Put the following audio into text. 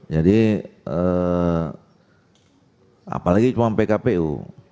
jadi apalagi cuma pkpu